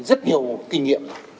rất nhiều kinh nghiệm